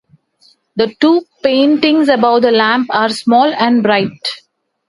The two paintings above the lamp are small and bright.